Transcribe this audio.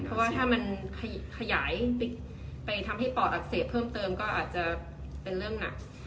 เพราะว่าถ้ามันขยายไปทำให้ปอดอักเสบเพิ่มเติมก็อาจจะเป็นเรื่องหนัก